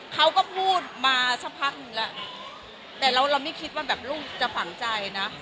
เขาก็พูดมาสักพักหนึ่งแล้วแต่เราเราไม่คิดว่าแบบลูกจะฝังใจนะ